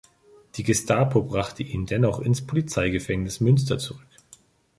Die Gestapo brachte ihn dennoch ins Polizeigefängnis Münster zurück.